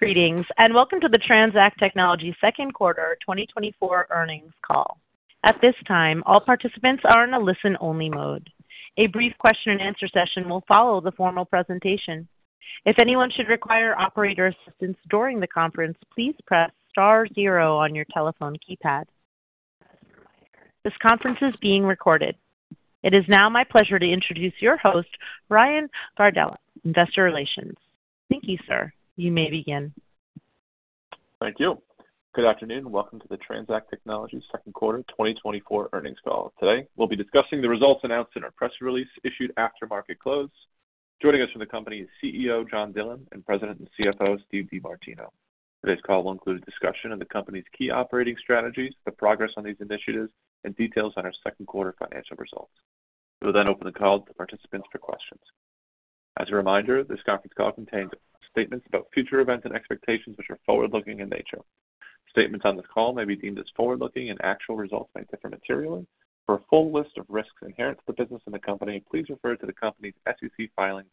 Greetings, and welcome to the TransAct Technologies Second Quarter 2024 Earnings Call. At this time, all participants are in a listen-only mode. A brief question-and-answer session will follow the formal presentation. If anyone should require operator assistance during the conference, please press star zero on your telephone keypad. This conference is being recorded. It is now my pleasure to introduce your host, Ryan Gardella, Investor Relations. Thank you, sir. You may begin. Thank you. Good afternoon, and welcome to the TransAct Technologies Second Quarter 2024 Earnings Call. Today, we'll be discussing the results announced in our press release issued after market close. Joining us from the company is CEO John Dillon and President and CFO Steve DeMartino. Today's call will include a discussion of the company's key operating strategies, the progress on these initiatives, and details on our second quarter financial results. We'll then open the call to participants for questions. As a reminder, this conference call contains statements about future events and expectations, which are forward-looking in nature. Statements on this call may be deemed as forward-looking, and actual results may differ materially. For a full list of risks inherent to the business and the company, please refer to the company's SEC filings,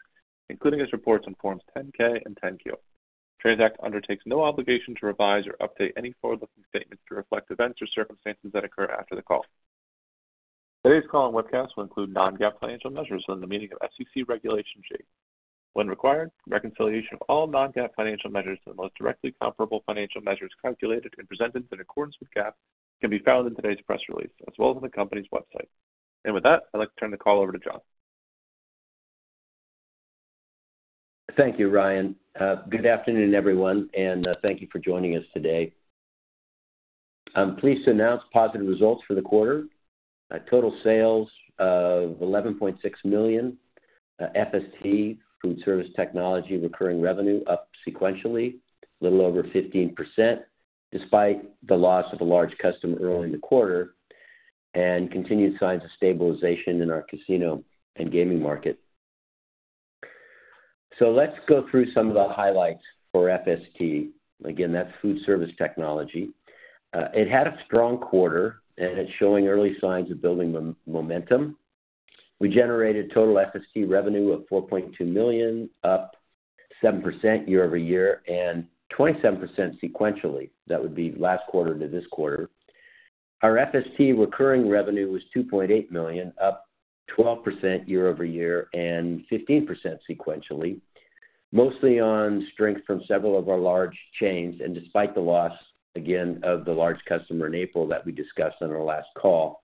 including its reports on Forms 10-K and 10-Q. TransAct undertakes no obligation to revise or update any forward-looking statements to reflect events or circumstances that occur after the call. Today's call and webcast will include non-GAAP financial measures in the meaning of SEC Regulation G. When required, reconciliation of all non-GAAP financial measures to the most directly comparable financial measures calculated and presented in accordance with GAAP can be found in today's press release, as well as on the company's website. With that, I'd like to turn the call over to John. Thank you, Ryan. Good afternoon, everyone, and thank you for joining us today. I'm pleased to announce positive results for the quarter. Total sales of $11.6 million, FST, Foodservice Technology, recurring revenue up sequentially a little over 15%, despite the loss of a large customer early in the quarter, and continued signs of stabilization in our casino and gaming market. So let's go through some of the highlights for FST. Again, that's Foodservice Technology. It had a strong quarter, and it's showing early signs of building momentum. We generated total FST revenue of $4.2 million, up 7% year-over-year, and 27% sequentially. That would be last quarter to this quarter. Our FST recurring revenue was $2.8 million, up 12% year-over-year and 15% sequentially, mostly on strength from several of our large chains, and despite the loss, again, of the large customer in April that we discussed on our last call.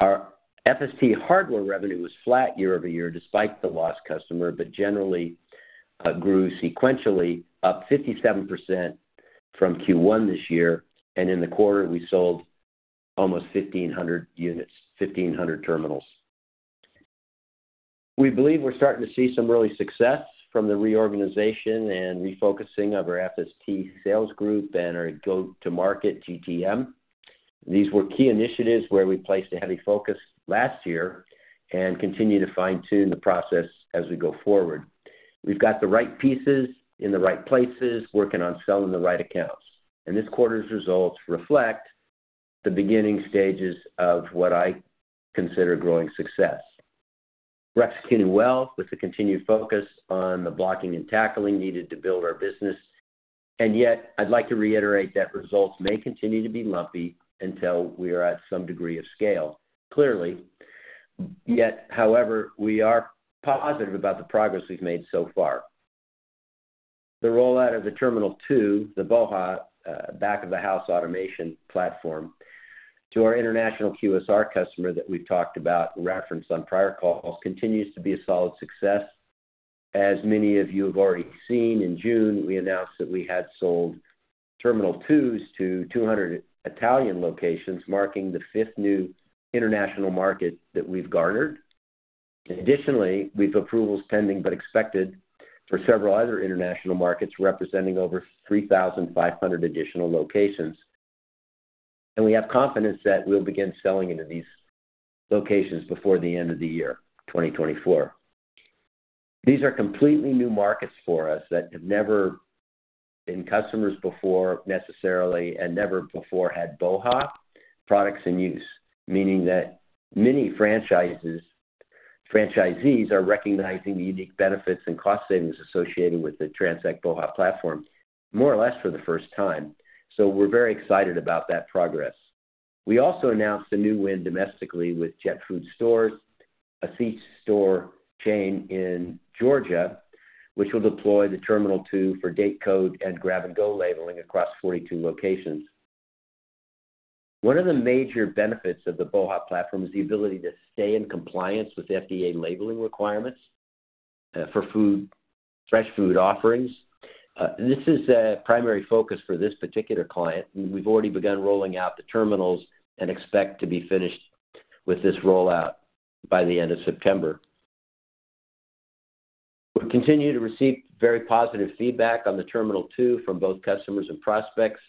Our FST hardware revenue was flat year-over-year, despite the lost customer, but generally, grew sequentially, up 57% from Q1 this year, and in the quarter, we sold almost 1,500 units, 1,500 terminals. We believe we're starting to see some early success from the reorganization and refocusing of our FST sales group and our go-to-market, GTM. These were key initiatives where we placed a heavy focus last year and continue to fine-tune the process as we go forward. We've got the right pieces in the right places, working on selling the right accounts, and this quarter's results reflect the beginning stages of what I consider growing success. We're executing well with the continued focus on the blocking and tackling needed to build our business, and yet, I'd like to reiterate that results may continue to be lumpy until we are at some degree of scale. Clearly, yet, however, we are positive about the progress we've made so far. The rollout of the Terminal 2, the BOHA, Back of House Automation platform, to our international QSR customer that we've talked about, referenced on prior calls, continues to be a solid success. As many of you have already seen, in June, we announced that we had sold Terminal 2s to 200 Italian locations, marking the fifth new international market that we've garnered. Additionally, we have approvals pending but expected for several other international markets, representing over 3,500 additional locations, and we have confidence that we'll begin selling into these locations before the end of the year, 2024. These are completely new markets for us that have never been customers before, necessarily, and never before had BOHA products in use. Meaning that many franchisees are recognizing the unique benefits and cost savings associated with the TransAct BOHA platform, more or less for the first time. So we're very excited about that progress. We also announced a new win domestically with Jet Food Stores, a C-store chain in Georgia, which will deploy the Terminal 2 for date code and grab-and-go labeling across 42 locations. One of the major benefits of the BOHA platform is the ability to stay in compliance with FDA labeling requirements for food, fresh food offerings. This is a primary focus for this particular client. We've already begun rolling out the terminals and expect to be finished with this rollout by the end of September. We continue to receive very positive feedback on the Terminal 2 from both customers and prospects.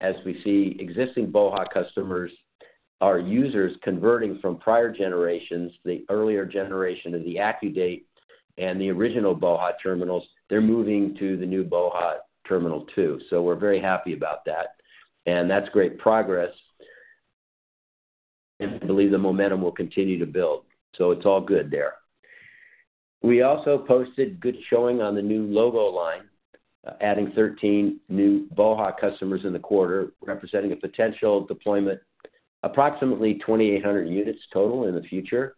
As we see, existing BOHA customers are users converting from prior generations, the earlier generation of the AccuDate and the original BOHA terminals; they're moving to the new BOHA Terminal 2. So we're very happy about that, and that's great progress, and I believe the momentum will continue to build, so it's all good there. We also posted good showing on the new logo line, adding 13 new BOHA customers in the quarter, representing a potential deployment, approximately 2,800 units total in the future.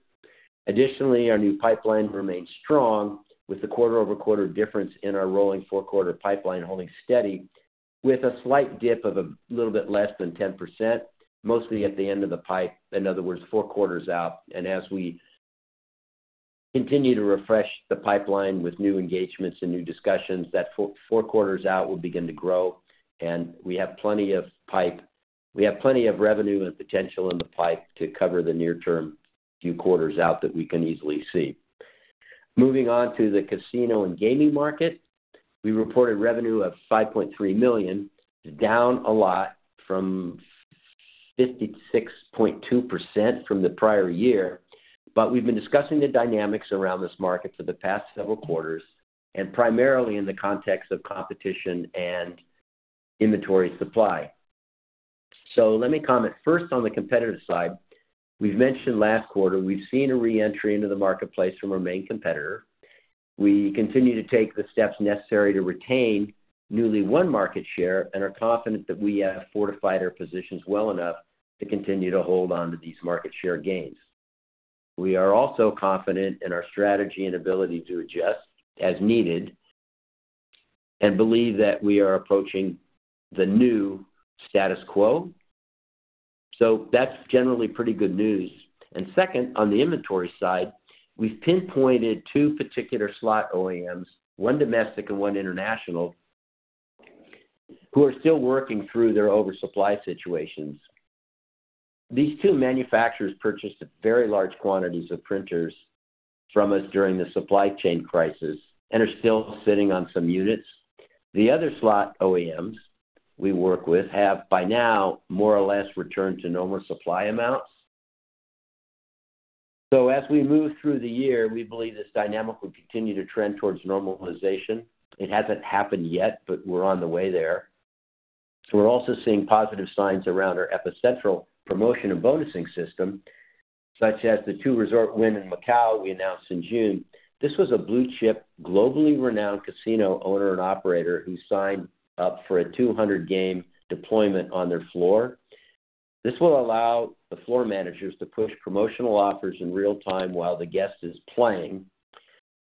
Additionally, our new pipeline remains strong, with the quarter-over-quarter difference in our rolling four-quarter pipeline holding steady, with a slight dip of a little bit less than 10%, mostly at the end of the pipe. In other words, four quarters out. And as we continue to refresh the pipeline with new engagements and new discussions, that four, four quarters out will begin to grow, and we have plenty of revenue and potential in the pipe to cover the near-term few quarters out that we can easily see. Moving on to the casino and gaming market. We reported revenue of $5.3 million, down a lot from 56.2% from the prior year. But we've been discussing the dynamics around this market for the past several quarters, and primarily in the context of competition and inventory supply. So let me comment first on the competitive side. We've mentioned last quarter, we've seen a re-entry into the marketplace from our main competitor. We continue to take the steps necessary to retain newly won market share and are confident that we have fortified our positions well enough to continue to hold on to these market share gains. We are also confident in our strategy and ability to adjust as needed, and believe that we are approaching the new status quo. So that's generally pretty good news. And second, on the inventory side, we've pinpointed two particular slot OEMs, one domestic and one international, who are still working through their oversupply situations. These two manufacturers purchased very large quantities of printers from us during the supply chain crisis and are still sitting on some units. The other slot OEMs we work with have, by now, more or less returned to normal supply amounts. So as we move through the year, we believe this dynamic will continue to trend towards normalization. It hasn't happened yet, but we're on the way there. So we're also seeing positive signs around our Epicentral promotion and bonusing system, such as the Wynn Resorts in Macau we announced in June. This was a blue-chip, globally renowned casino owner and operator who signed up for a 200 game deployment on their floor. This will allow the floor managers to push promotional offers in real time while the guest is playing,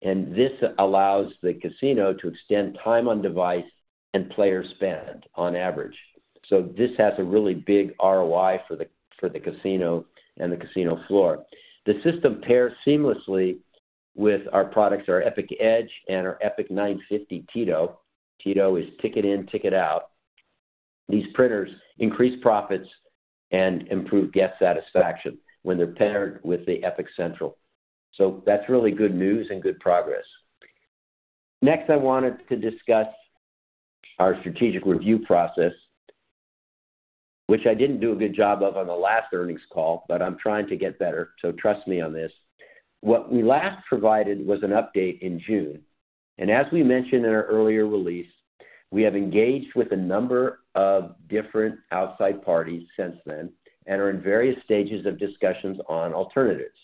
and this allows the casino to extend time on device and player spend on average. So this has a really big ROI for the, for the casino and the casino floor. The system pairs seamlessly with our products, our Epic Edge and our Epic 950 TITO. TITO is ticket in, ticket out. These printers increase profits and improve guest satisfaction when they're paired with the Epicentral. So that's really good news and good progress. Next, I wanted to discuss our strategic review process, which I didn't do a good job of on the last earnings call, but I'm trying to get better, so trust me on this. What we last provided was an update in June, and as we mentioned in our earlier release, we have engaged with a number of different outside parties since then and are in various stages of discussions on alternatives.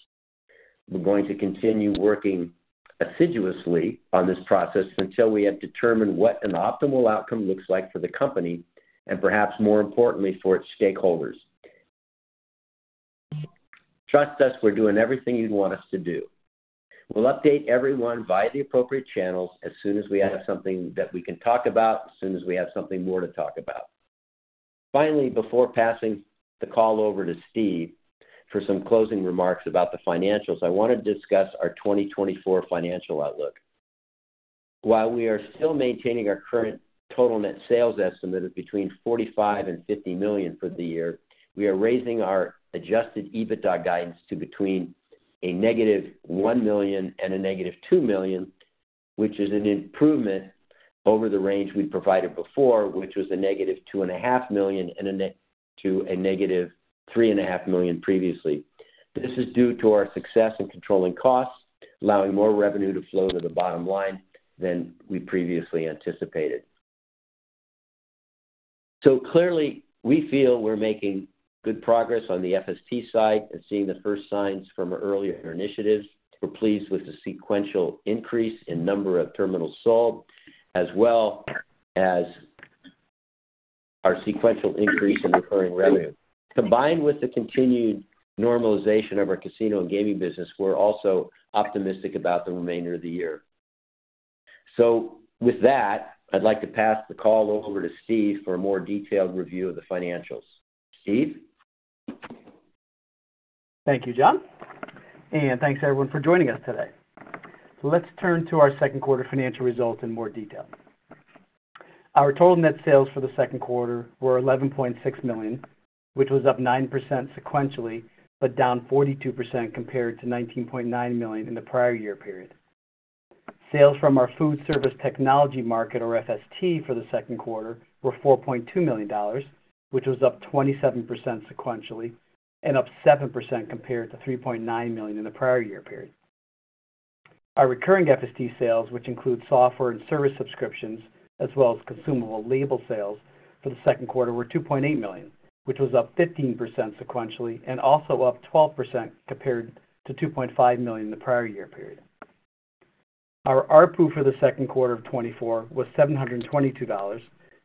We're going to continue working assiduously on this process until we have determined what an optimal outcome looks like for the company, and perhaps more importantly, for its stakeholders. Trust us, we're doing everything you'd want us to do. We'll update everyone via the appropriate channels as soon as we have something that we can talk about, as soon as we have something more to talk about. Finally, before passing the call over to Steve for some closing remarks about the financials, I want to discuss our 2024 financial outlook. While we are still maintaining our current total net sales estimate of between $45 million and $50 million for the year, we are raising our Adjusted EBITDA guidance to between $1 million and $2 million, which is an improvement over the range we provided before, which was a negative $2.5 million to a negative $3.5 million previously. This is due to our success in controlling costs, allowing more revenue to flow to the bottom line than we previously anticipated. So clearly, we feel we're making good progress on the FST side and seeing the first signs from our earlier initiatives. We're pleased with the sequential increase in number of terminals sold, as well as our sequential increase in recurring revenue. Combined with the continued normalization of our casino and gaming business, we're also optimistic about the remainder of the year. So with that, I'd like to pass the call over to Steve for a more detailed review of the financials. Steve? Thank you, John, and thanks, everyone, for joining us today. Let's turn to our second quarter financial results in more detail. Our total net sales for the second quarter were $11.6 million, which was up 9% sequentially, but down 42% compared to $19.9 million in the prior year period. Sales from our food service technology market, or FST, for the second quarter were $4.2 million, which was up 27% sequentially and up 7% compared to $3.9 million in the prior year period. Our recurring FST sales, which include software and service subscriptions, as well as consumable label sales for the second quarter, were $2.8 million, which was up 15% sequentially, and also up 12% compared to $2.5 million in the prior year period. Our ARPU for the second quarter of 2024 was $722,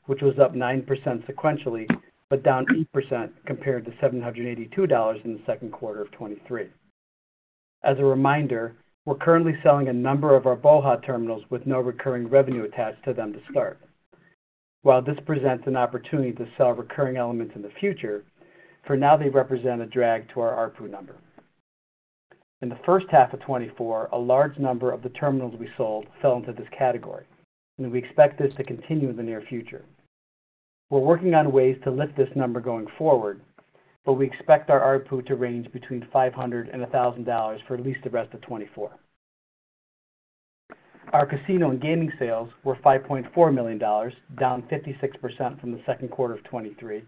which was up 9% sequentially, but down 8% compared to $782 in the second quarter of 2023. As a reminder, we're currently selling a number of our BOHA terminals with no recurring revenue attached to them to start. While this presents an opportunity to sell recurring elements in the future, for now, they represent a drag to our ARPU number. In the first half of 2024, a large number of the terminals we sold fell into this category, and we expect this to continue in the near future. We're working on ways to lift this number going forward, but we expect our ARPU to range between $500 and $1,000 for at least the rest of 2024. Our casino and gaming sales were $5.4 million, down 56% from the second quarter of 2023,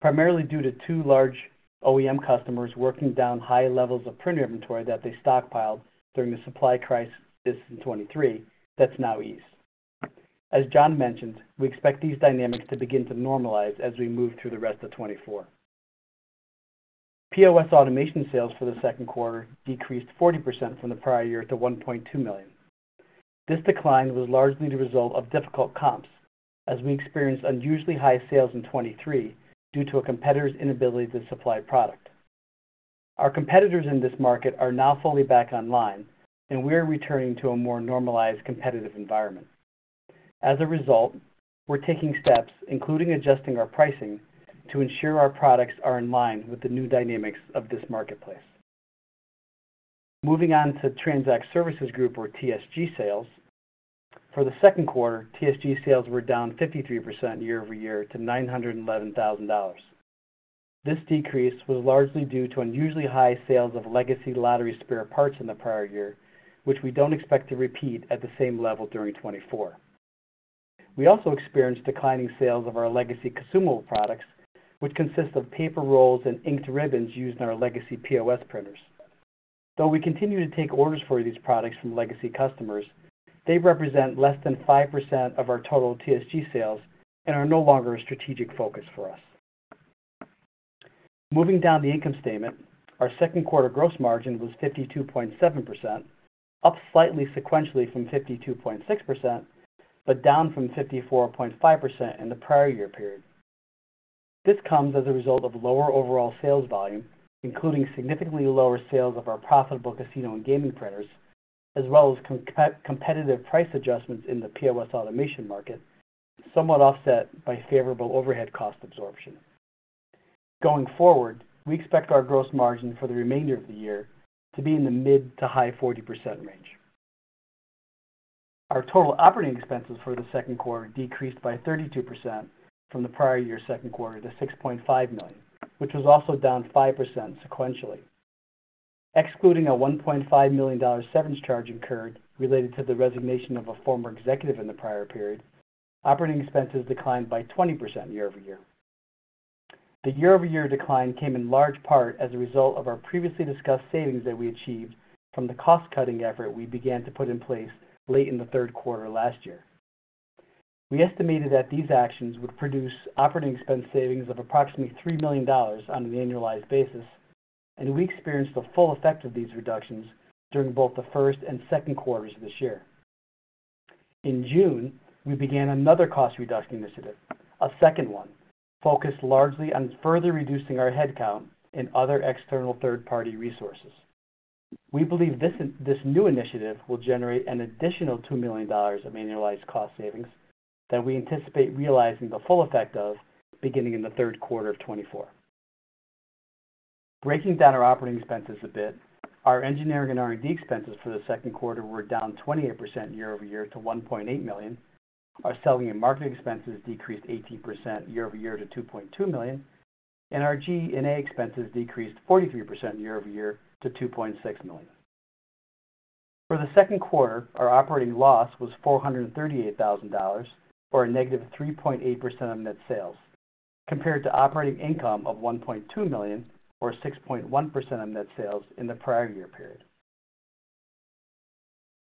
primarily due to two large OEM customers working down high levels of printer inventory that they stockpiled during the supply crisis in 2023 that's now eased. As John mentioned, we expect these dynamics to begin to normalize as we move through the rest of 2024. POS automation sales for the second quarter decreased 40% from the prior year to $1.2 million. This decline was largely the result of difficult comps, as we experienced unusually high sales in 2023 due to a competitor's inability to supply product. Our competitors in this market are now fully back online, and we are returning to a more normalized, competitive environment. As a result, we're taking steps, including adjusting our pricing, to ensure our products are in line with the new dynamics of this marketplace. Moving on to TransAct Services Group, or TSG, sales. For the second quarter, TSG sales were down 53% year-over-year to $911,000. This decrease was largely due to unusually high sales of legacy lottery spare parts in the prior year, which we don't expect to repeat at the same level during 2024. We also experienced declining sales of our legacy consumable products, which consist of paper rolls and inked ribbons used in our legacy POS printers. Though we continue to take orders for these products from legacy customers, they represent less than 5% of our total TSG sales and are no longer a strategic focus for us. Moving down the income statement, our second quarter gross margin was 52.7%, up slightly sequentially from 52.6%, but down from 54.5% in the prior year period. This comes as a result of lower overall sales volume, including significantly lower sales of our profitable casino and gaming printers, as well as competitive price adjustments in the POS automation market, somewhat offset by favorable overhead cost absorption. Going forward, we expect our gross margin for the remainder of the year to be in the mid- to high-40% range. Our total operating expenses for the second quarter decreased by 32% from the prior year's second quarter to $6.5 million, which was also down 5% sequentially. Excluding a $1.5 million severance charge incurred related to the resignation of a former executive in the prior period, operating expenses declined by 20% year-over-year. The year-over-year decline came in large part as a result of our previously discussed savings that we achieved from the cost-cutting effort we began to put in place late in the third quarter last year. We estimated that these actions would produce operating expense savings of approximately $3 million on an annualized basis, and we experienced the full effect of these reductions during both the first and second quarters of this year. In June, we began another cost reduction initiative, a second one, focused largely on further reducing our headcount and other external third-party resources. We believe this new initiative will generate an additional $2 million of annualized cost savings that we anticipate realizing the full effect of beginning in the third quarter of 2024. Breaking down our operating expenses a bit, our engineering and R&D expenses for the second quarter were down 28% year-over-year to $1.8 million. Our selling and marketing expenses decreased 18% year-over-year to $2.2 million, and our G&A expenses decreased 43% year-over-year to $2.6 million. For the second quarter, our operating loss was $438,000, or a negative 3.8% of net sales, compared to operating income of $1.2 million, or 6.1% of net sales in the prior year period.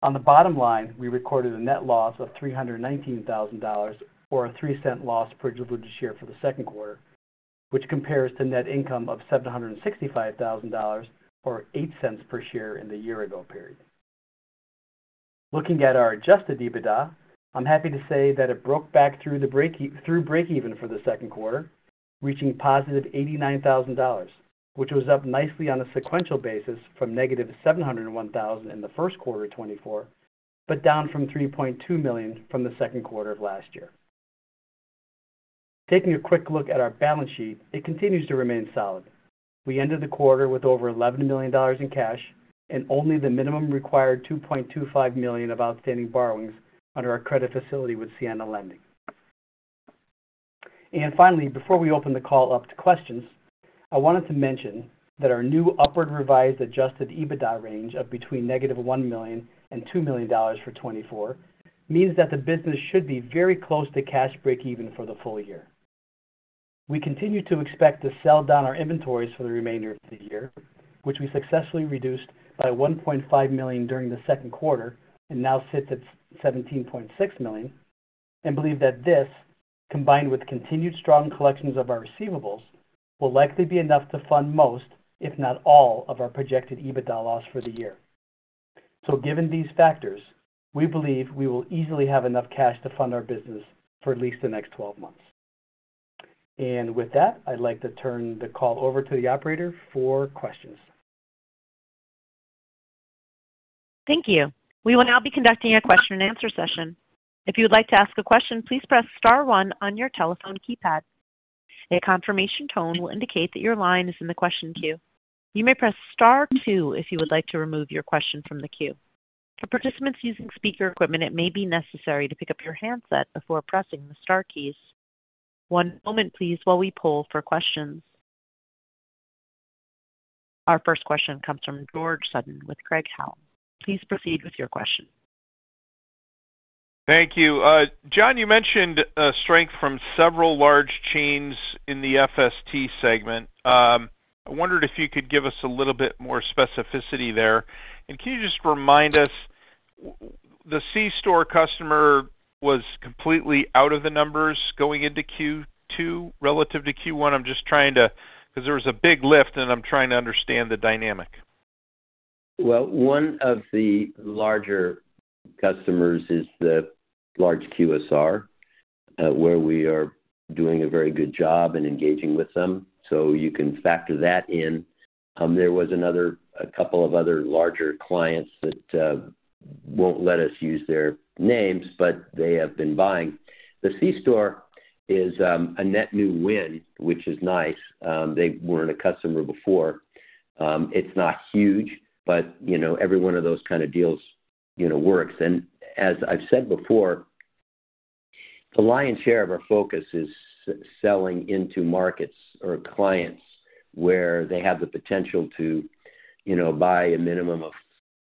On the bottom line, we recorded a net loss of $319,000, or a $0.03 loss per diluted share for the second quarter, which compares to net income of $765,000, or $0.08 per share in the year ago period. Looking at our Adjusted EBITDA, I'm happy to say that it broke back through the break even for the second quarter, reaching $89,000, which was up nicely on a sequential basis from -$701,000 in the first quarter of 2024, but down from $3.2 million from the second quarter of last year. Taking a quick look at our balance sheet, it continues to remain solid. We ended the quarter with over $11 million in cash and only the minimum required $2.25 million of outstanding borrowings under our credit facility with Siena Lending. Finally, before we open the call up to questions, I wanted to mention that our new upward revised Adjusted EBITDA range of between $1 million and $2 million for 2024 means that the business should be very close to cash break even for the full year. We continue to expect to sell down our inventories for the remainder of the year, which we successfully reduced by $1.5 million during the second quarter, and now sits at $17.6 million, and believe that this, combined with continued strong collections of our receivables, will likely be enough to fund most, if not all, of our projected EBITDA loss for the year. So given these factors, we believe we will easily have enough cash to fund our business for at least the next 12 months. And with that, I'd like to turn the call over to the operator for questions. Thank you. We will now be conducting a question-and-answer session. If you would like to ask a question, please press star one on your telephone keypad. A confirmation tone will indicate that your line is in the question queue. You may press star two if you would like to remove your question from the queue. For participants using speaker equipment, it may be necessary to pick up your handset before pressing the star keys. One moment please, while we poll for questions. Our first question comes from George Sutton with Craig-Hallum. Please proceed with your question. Thank you. John, you mentioned strength from several large chains in the FST segment. I wondered if you could give us a little bit more specificity there. Can you just remind us, the C store customer was completely out of the numbers going into Q2 relative to Q1? I'm just trying to, because there was a big lift, and I'm trying to understand the dynamic. Well, one of the larger customers is the large QSR, where we are doing a very good job in engaging with them, so you can factor that in. There was another, a couple of other larger clients that won't let us use their names, but they have been buying. The C store is a net new win, which is nice. They weren't a customer before. It's not huge, but, you know, every one of those kind of deals, you know, works. And as I've said before, the lion's share of our focus is selling into markets or clients where they have the potential to, you know, buy a minimum of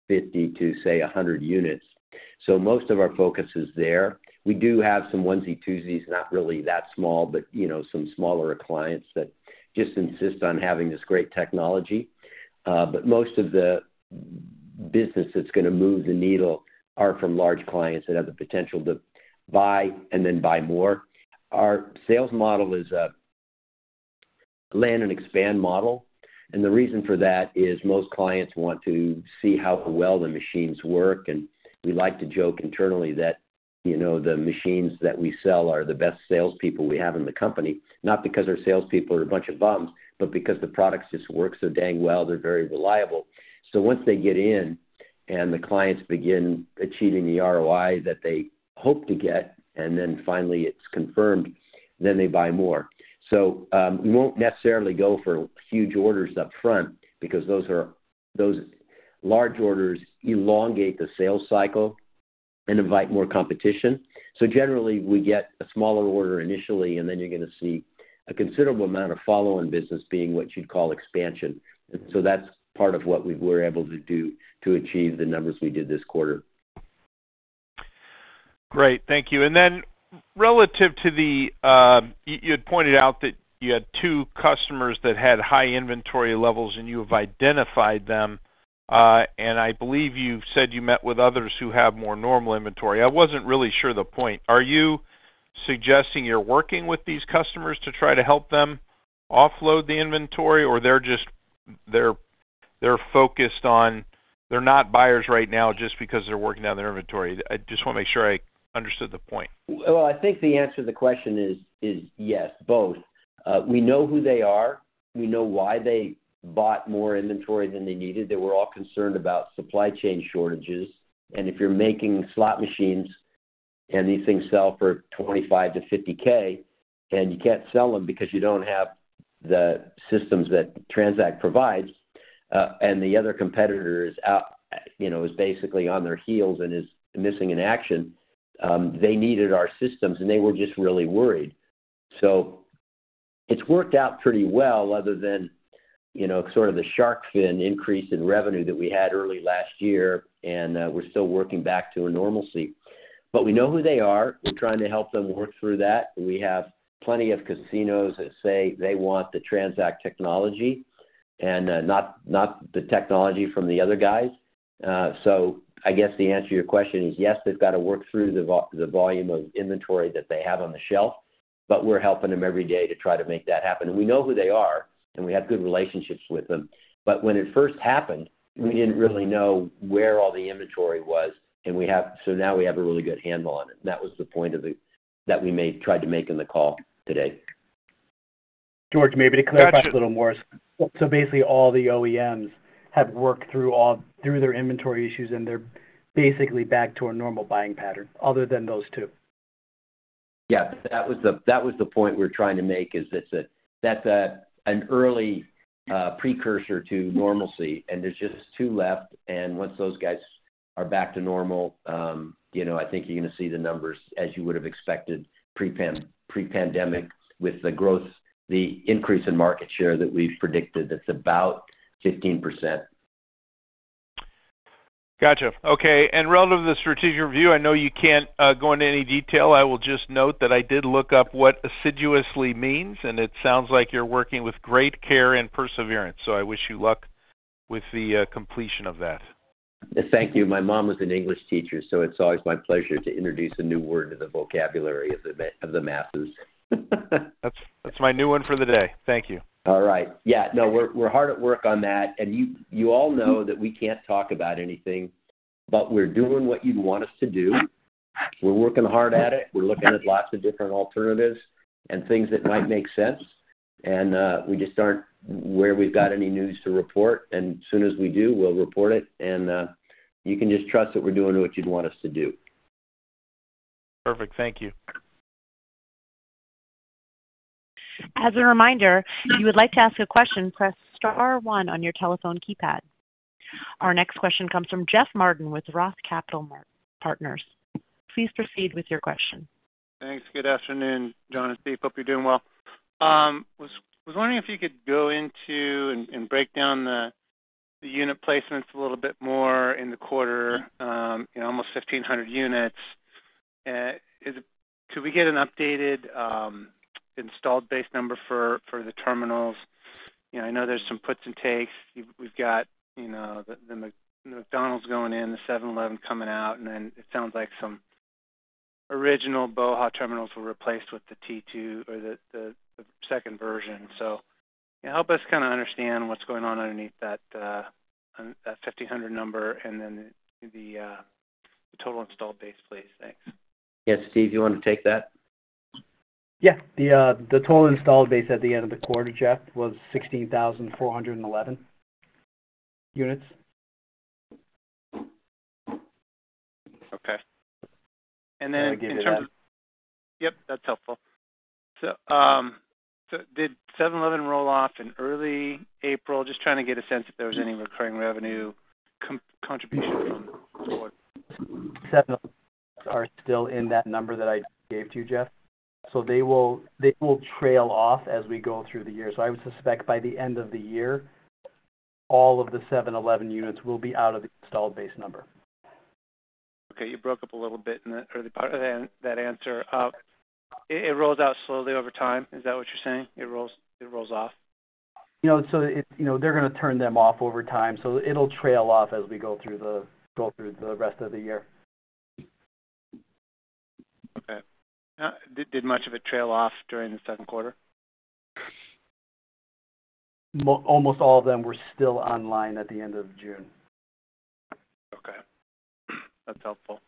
50 to, say, 100 units. So most of our focus is there. We do have some onesie, twosies, not really that small, but, you know, some smaller clients that just insist on having this great technology. But most of the business that's going to move the needle are from large clients that have the potential to buy and then buy more. Our sales model is a land and expand model, and the reason for that is most clients want to see how well the machines work. And we like to joke internally that, you know, the machines that we sell are the best salespeople we have in the company, not because our salespeople are a bunch of bums, but because the products just work so dang well, they're very reliable. So once they get in and the clients begin achieving the ROI that they hope to get, and then finally it's confirmed, then they buy more. So, we won't necessarily go for huge orders up front because those large orders elongate the sales cycle and invite more competition. So generally, we get a smaller order initially, and then you're going to see a considerable amount of follow-on business being what you'd call expansion. And so that's part of what we were able to do to achieve the numbers we did this quarter. Great. Thank you. And then relative to the, you had pointed out that you had two customers that had high inventory levels, and you have identified them, and I believe you've said you met with others who have more normal inventory. I wasn't really sure the point. Are you suggesting you're working with these customers to try to help them offload the inventory, or they're just focused on, they're not buyers right now just because they're working down their inventory? I just want to make sure I understood the point. Well, I think the answer to the question is yes, both. We know who they are. We know why they bought more inventory than they needed. They were all concerned about supply chain shortages. And if you're making slot machines, and these things sell for $25,000-$50,000, and you can't sell them because you don't have the systems that TransAct provides, and the other competitor is out, you know, is basically on their heels and is missing in action, they needed our systems, and they were just really worried. So it's worked out pretty well, other than, you know, sort of the shark fin increase in revenue that we had early last year, and we're still working back to a normalcy. But we know who they are, we're trying to help them work through that. We have plenty of casinos that say they want the TransAct technology and, not, not the technology from the other guys. So I guess the answer to your question is yes, they've got to work through the volume of inventory that they have on the shelf, but we're helping them every day to try to make that happen. And we know who they are, and we have good relationships with them. But when it first happened, we didn't really know where all the inventory was, and so now we have a really good handle on it, and that was the point that we made, tried to make in the call today. George, maybe to clarify a little more. So basically, all the OEMs have worked through their inventory issues, and they're basically back to a normal buying pattern other than those two? Yeah, that was the, that was the point we're trying to make, is that, that's a, an early precursor to normalcy, and there's just two left, and once those guys are back to normal, you know, I think you're going to see the numbers as you would have expected, pre-pandemic, with the growth, the increase in market share that we've predicted. That's about 15%. Gotcha. Okay, and relative to the strategic review, I know you can't go into any detail. I will just note that I did look up what assiduously means, and it sounds like you're working with great care and perseverance, so I wish you luck with the completion of that. Thank you. My mom was an English teacher, so it's always my pleasure to introduce a new word to the vocabulary of the masses. That's my new one for the day. Thank you. All right. Yeah, no, we're hard at work on that, and you all know that we can't talk about anything, but we're doing what you'd want us to do. We're working hard at it. We're looking at lots of different alternatives and things that might make sense, and we just aren't where we've got any news to report. As soon as we do, we'll report it, and you can just trust that we're doing what you'd want us to do. Perfect. Thank you. As a reminder, if you would like to ask a question, press star one on your telephone keypad. Our next question comes from Jeff Martin with Roth Capital Partners. Please proceed with your question. Thanks. Good afternoon, John and Steve. Hope you're doing well. Was wondering if you could go into and break down the unit placements a little bit more in the quarter, you know, almost 1,500 units. Could we get an updated installed base number for the terminals? You know, I know there's some puts and takes. We've got, you know, the McDonald's going in, the 7-Eleven coming out, and then it sounds like some original BOHA! terminals were replaced with the T2 or the second version. So help us kinda understand what's going on underneath that 1,500 number and then the total installed base, please. Thanks. Yeah. Steve, you want to take that? Yeah. The total installed base at the end of the quarter, Jeff, was 16,411 units. Okay. And then in terms. Can I give you that? Yep, that's helpful. So, did 7-Eleven roll off in early April? Just trying to get a sense if there was any recurring revenue contribution. 7-Eleven are still in that number that I gave to you, Jeff. They will, they will trail off as we go through the year. I would suspect by the end of the year, all of the 7-Eleven units will be out of the installed base number. Okay, you broke up a little bit in the early part of that answer. It rolls out slowly over time. Is that what you're saying? It rolls off. You know, they're gonna turn them off over time, so it'll trail off as we go through the rest of the year. Okay. Did much of it trail off during the second quarter? Almost all of them were still online at the end of June. Okay. That's helpful.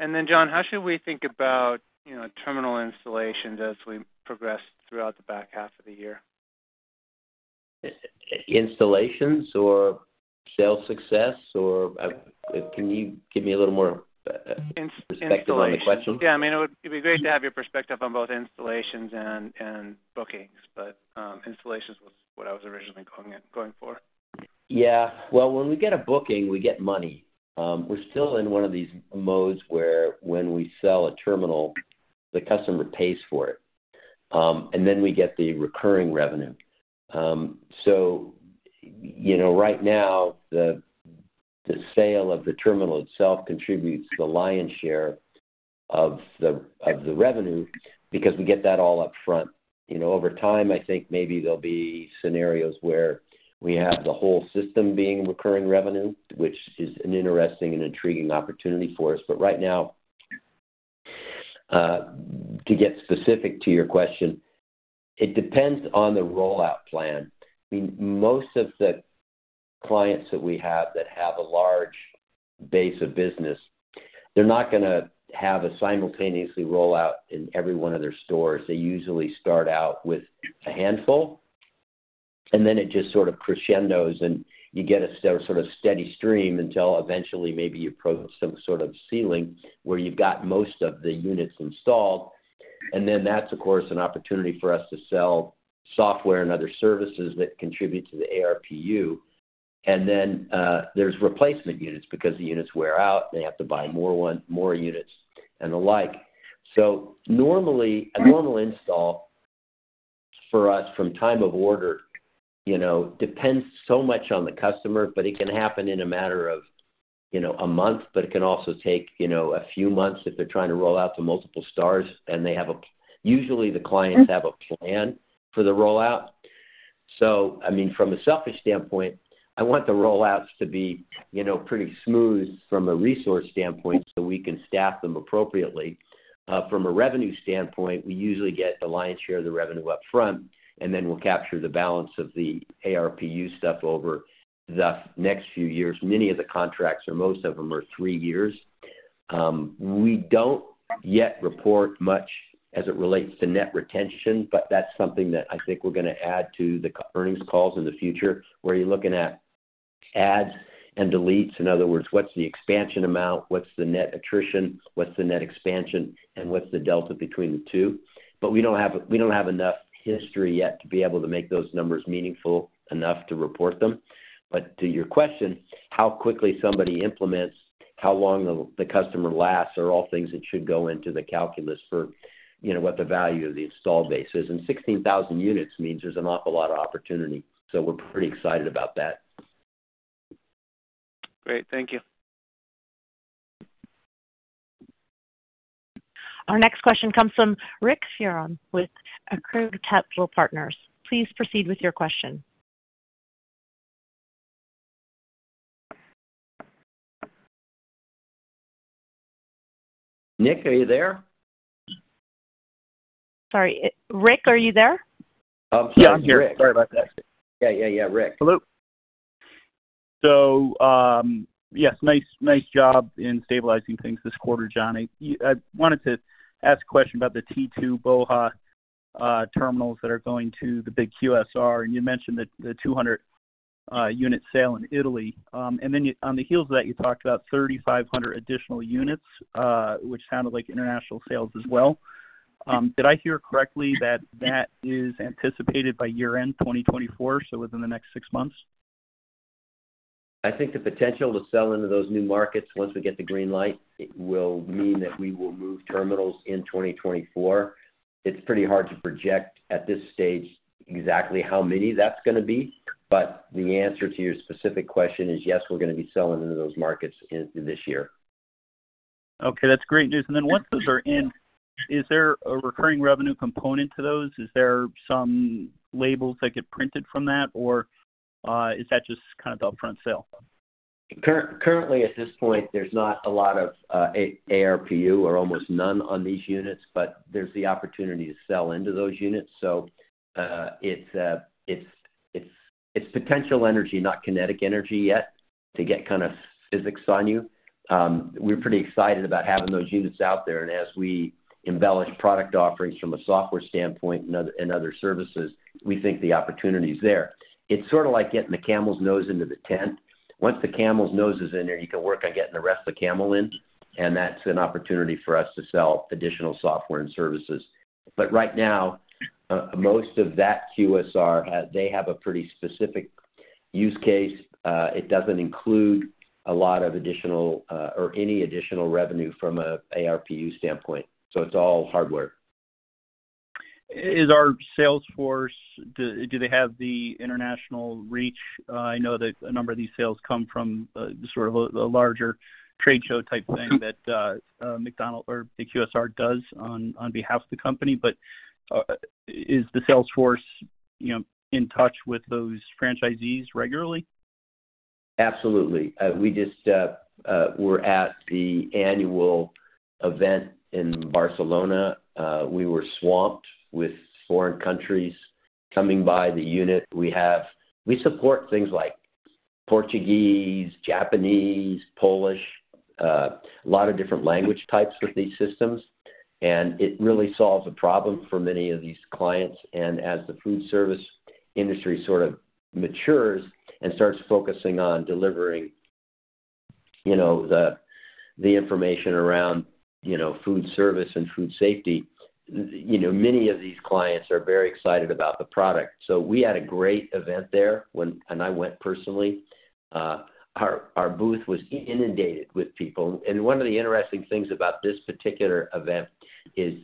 And then, John, how should we think about, you know, terminal installations as we progress throughout the back half of the year? Installations or sales success, or, can you give me a little more perspective on the question? Yeah, I mean, it would be great to have your perspective on both installations and bookings, but installations was what I was originally going in, going for. Yeah. Well, when we get a booking, we get money. We're still in one of these modes where when we sell a terminal, the customer pays for it, and then we get the recurring revenue. So, you know, right now, the sale of the terminal itself contributes the lion's share of the revenue because we get that all upfront. You know, over time, I think maybe there'll be scenarios where we have the whole system being recurring revenue, which is an interesting and intriguing opportunity for us. But right now, to get specific to your question, it depends on the rollout plan. I mean, most of the clients that we have that have a large base of business, they're not gonna have a simultaneous rollout in every one of their stores. They usually start out with a handful, and then it just sort of crescendos, and you get a sort of steady stream until eventually maybe you approach some sort of ceiling where you've got most of the units installed. And then that's, of course, an opportunity for us to sell software and other services that contribute to the ARPU. And then, there's replacement units, because the units wear out, they have to buy more one, more units and the like. So normally, a normal install for us from time of order, you know, depends so much on the customer, but it can happen in a matter of, you know, a month, but it can also take, you know, a few months if they're trying to roll out to multiple stores and they have. Usually, the clients have a plan for the rollout. So, I mean, from a selfish standpoint, I want the rollouts to be, you know, pretty smooth from a resource standpoint, so we can staff them appropriately. From a revenue standpoint, we usually get the lion's share of the revenue upfront, and then we'll capture the balance of the ARPU stuff over the next few years. Many of the contracts or most of them are three years. We don't yet report much as it relates to net retention, but that's something that I think we're gonna add to the earnings calls in the future, where you're looking at adds and deletes. In other words, what's the expansion amount? What's the net attrition? What's the net expansion, and what's the delta between the two? But we don't have, we don't have enough history yet to be able to make those numbers meaningful enough to report them. But to your question, how quickly somebody implements, how long the customer lasts are all things that should go into the calculus for, you know, what the value of the install base is. And 16,000 units means there's an awful lot of opportunity, so we're pretty excited about that. Great. Thank you. Our next question comes from Rick Fearon with Accretive Capital Partners. Please proceed with your question. Nick, are you there? Sorry, Rick, are you there? I'm sorry, Rick. Yeah, I'm here. Sorry about that. Yeah, yeah, yeah, Rick. Hello. So, yes, nice, nice job in stabilizing things this quarter, Johnny. I wanted to ask a question about the T2 BOHA terminals that are going to the big QSR, and you mentioned that the 200-unit sale in Italy. And then you, on the heels of that, you talked about 3,500 additional units, which sounded like international sales as well. Did I hear correctly that that is anticipated by year-end 2024, so within the next six months? I think the potential to sell into those new markets once we get the green light, it will mean that we will move terminals in 2024. It's pretty hard to project at this stage exactly how many that's gonna be, but the answer to your specific question is yes, we're gonna be selling into those markets in this year. Okay, that's great news. And then once those are in, is there a recurring revenue component to those? Is there some labels that get printed from that, or, is that just kind of the upfront sale? Currently, at this point, there's not a lot of ARPU or almost none on these units, but there's the opportunity to sell into those units. So, it's potential energy, not kinetic energy yet, to get kind of physics on you. We're pretty excited about having those units out there, and as we embellish product offerings from a software standpoint and other services, we think the opportunity is there. It's sort of like getting the camel's nose into the tent. Once the camel's nose is in there, you can work on getting the rest of the camel in, and that's an opportunity for us to sell additional software and services. But right now, most of that QSR, they have a pretty specific use case. It doesn't include a lot of additional, or any additional revenue from an ARPU standpoint, so it's all hardware. Is our sales force, do they have the international reach? I know that a number of these sales come from sort of a larger trade show type thing that McDonald's or the QSR does on behalf of the company, but is the sales force, you know, in touch with those franchisees regularly? Absolutely. We just, we're at the annual event in Barcelona. We were swamped with foreign countries coming by the unit. We have we support things like Portuguese, Japanese, Polish, a lot of different language types with these systems, and it really solves a problem for many of these clients. And as the food service industry sort of matures and starts focusing on delivering, you know, the information around, you know, food service and food safety, you know, many of these clients are very excited about the product. So we had a great event there when. And I went personally. Our booth was inundated with people. And one of the interesting things about this particular event is,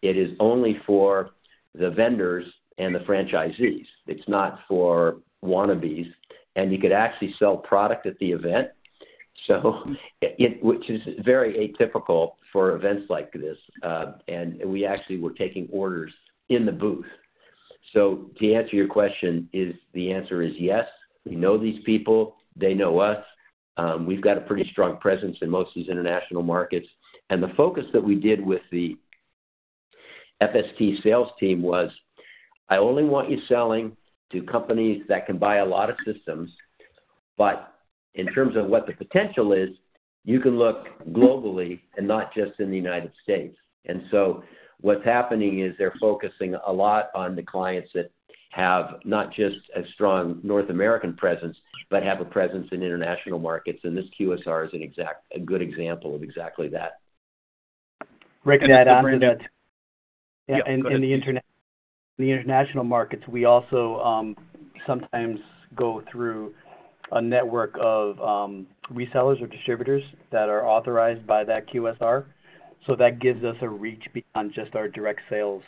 it is only for the vendors and the franchisees. It's not for wannabes, and you could actually sell product at the event, so which is very atypical for events like this. And we actually were taking orders in the booth. So to answer your question, the answer is yes. We know these people. They know us. We've got a pretty strong presence in most of these international markets. And the focus that we did with the FST sales team was, I only want you selling to companies that can buy a lot of systems. But in terms of what the potential is, you can look globally and not just in the United States. And so what's happening is, they're focusing a lot on the clients that have not just a strong North American presence, but have a presence in international markets, and this QSR is a good example of exactly that. Rick, can I add to that? Yeah, go ahead. In the international markets, we also sometimes go through a network of resellers or distributors that are authorized by that QSR, so that gives us a reach beyond just our direct sales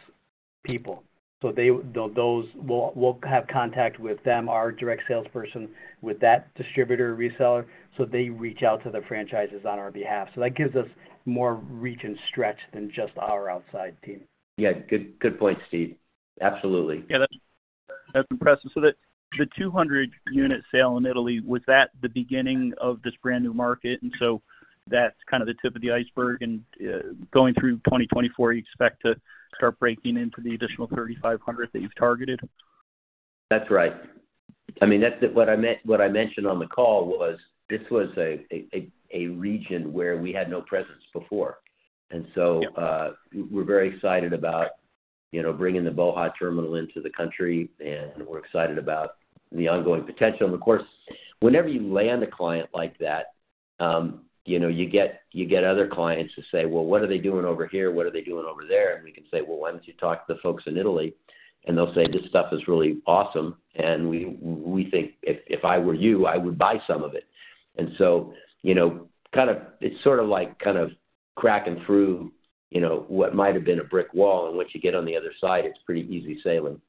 people. So those will have contact with them, our direct salesperson, with that distributor or reseller, so they reach out to the franchises on our behalf. So that gives us more reach and stretch than just our outside team. Yeah, good, good point, Steve. Absolutely. Yeah, that's impressive. So the 200-unit sale in Italy, was that the beginning of this brand new market? And so that's kind of the tip of the iceberg, and going through 2024, you expect to start breaking into the additional 3,500 that you've targeted? That's right. I mean, that's the, what I mentioned on the call was, this was a region where we had no presence before. Yeah. And so, we're very excited about, you know, bringing the BOHA terminal into the country, and we're excited about the ongoing potential. And of course, whenever you land a client like that, you know, you get, you get other clients who say, "Well, what are they doing over here? What are they doing over there?" And we can say, "Well, why don't you talk to the folks in Italy?" And they'll say, "This stuff is really awesome, and we, we think if I were you, I would buy some of it." And so, you know, kind of, it's sort of like kind of cracking through, you know, what might have been a brick wall, and once you get on the other side, it's pretty easy sailing.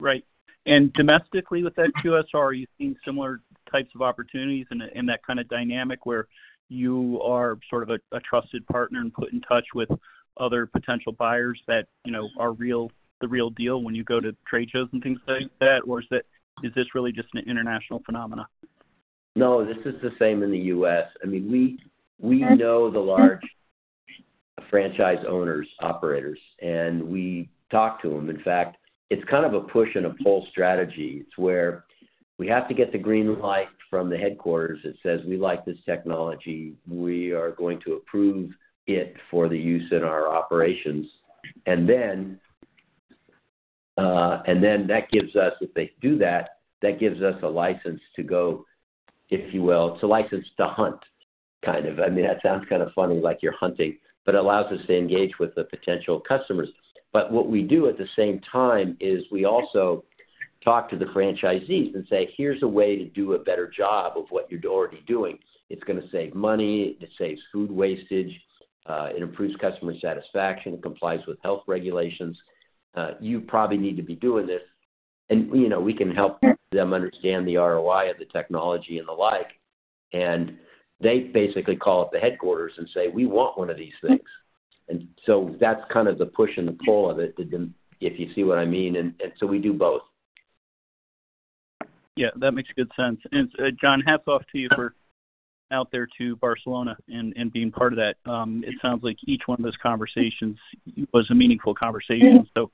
Right. And domestically, with that QSR, are you seeing similar types of opportunities and, and that kind of dynamic where you are sort of a, a trusted partner and put in touch with other potential buyers that you know, are real, the real deal when you go to trade shows and things like that? Or is that, is this really just an international phenomena? No, this is the same in the U.S. I mean, we, we know the large franchise owners, operators, and we talk to them. In fact, it's kind of a push and pull strategy, where we have to get the green light from the headquarters that says, "We like this technology. We are going to approve it for the use in our operations." And then, and then that gives us, if they do that, that gives us a license to go, if you will, to license to hunt, kind of. I mean, that sounds kind of funny, like you're hunting, but allows us to engage with the potential customers. But what we do at the same time is we also talk to the franchisees and say, "Here's a way to do a better job of what you're already doing. It's gonna save money, it saves food wastage, it improves customer satisfaction, it complies with health regulations. You probably need to be doing this. And, you know, we can help them understand the ROI of the technology and the like. And they basically call up the headquarters and say, "We want one of these things." And so that's kind of the push and the pull of it, if you see what I mean. And so we do both. Yeah, that makes good sense. And, John, hats off to you for out there to Barcelona and being part of that. It sounds like each one of those conversations was a meaningful conversation. So,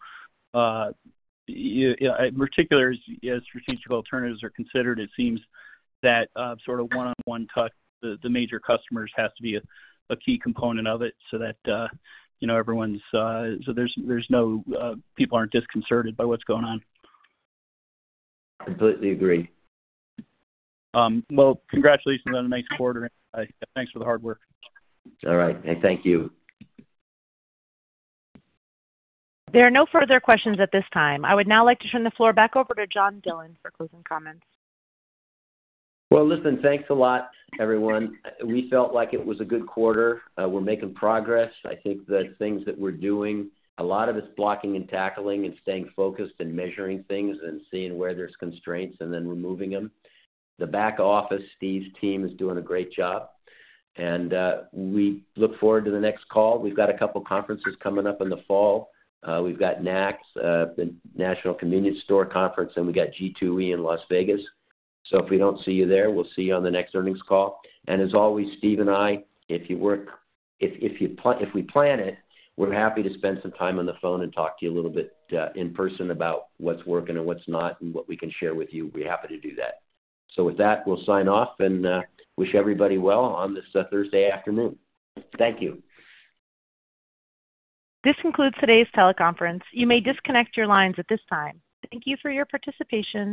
yeah, in particular, as strategic alternatives are considered, it seems that sort of one-on-one touch, the major customers has to be a key component of it so that, you know, everyone's. So there's no people aren't disconcerted by what's going on. Completely agree. Well, congratulations on a nice quarter, and thanks for the hard work. All right. Hey, thank you. There are no further questions at this time. I would now like to turn the floor back over to John Dillon for closing comments. Well, listen, thanks a lot, everyone. We felt like it was a good quarter. We're making progress. I think the things that we're doing, a lot of it's blocking and tackling and staying focused and measuring things, and seeing where there's constraints and then removing them. The back office, Steve's team is doing a great job, and we look forward to the next call. We've got a couple conferences coming up in the fall. We've got NACS, the National Convenience Store conference, and we've got G2E in Las Vegas. So if we don't see you there, we'll see you on the next earnings call. As always, Steve and I, if we plan it, we're happy to spend some time on the phone and talk to you a little bit in person about what's working and what's not, and what we can share with you. We'd be happy to do that. So with that, we'll sign off and wish everybody well on this Thursday afternoon. Thank you. This concludes today's teleconference. You may disconnect your lines at this time. Thank you for your participation.